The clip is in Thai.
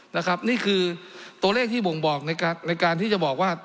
นะครับนี่คือตัวเลขที่บ่งบอกในการที่จะบอกว่า